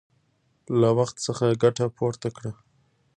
له وخت څخه ګټه پورته کړه!